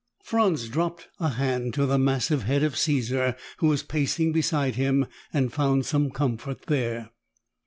Franz dropped a hand to the massive head of Caesar, who was pacing beside him, and found some comfort there.